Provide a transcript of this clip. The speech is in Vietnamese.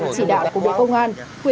chỉ đạo của đội công an tp